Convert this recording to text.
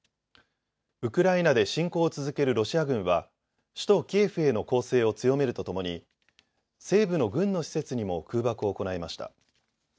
ウクライナで侵攻を続けるロシア軍は首都キエフへの攻勢を強めるとともに西部の軍の施設にも空爆を行いました。